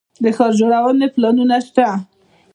د ښار جوړونې پلانونه شته